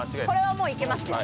これはもういけます。